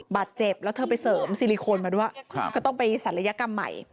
บาดเจ็บแล้วเธอไปเสริมซิลิโคนมาด้วยก็ต้องไปศัลยกรรมใหม่